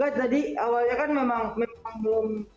tadi awalnya kan memang belum